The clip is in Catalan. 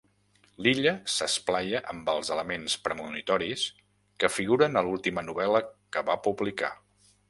L'Illa s'esplaia amb els elements premonitoris que figuren a l'última novel·la que va publicar.